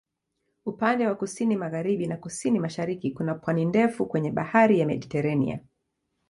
Upande wa kusini-magharibi na kusini-mashariki kuna pwani ndefu kwenye Bahari ya Mediteranea.